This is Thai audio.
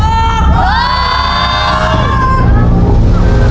ถูก